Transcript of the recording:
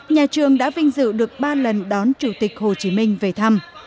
nhà trường đã vinh dự được ba lần đón chủ tịch hồ chí minh về thăm